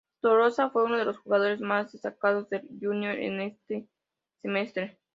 Toloza fue uno de los jugadores más destacados del Junior en ese semestre.